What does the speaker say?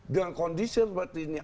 dengan kondisi seperti ini